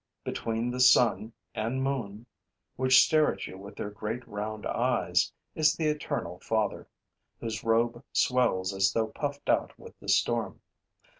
Between the sun and moon, which stare at you with their great, round eyes, is the Eternal Father, whose robe swells as though puffed out with the storm.